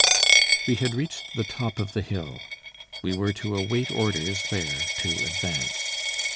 We had reached the top of the hill. We were to await orders there to advance.